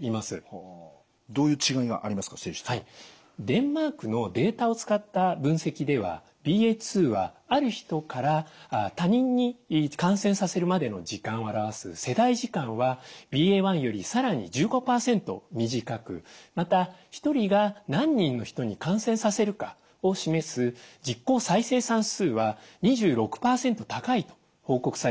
デンマークのデータを使った分析ではＢＡ．２はある人から他人に感染させるまでの時間を表す世代時間はＢＡ．１よりさらに１５％短くまた一人が何人の人に感染させるかを示す実効再生産数は２６％高いと報告されています。